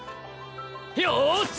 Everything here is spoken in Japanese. よし！